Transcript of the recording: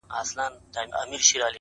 o ستادی ؛ستادی؛ ستادی فريادي گلي؛